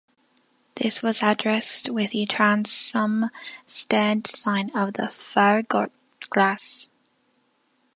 This was addressed with the transom stern design of the "Farragut" class.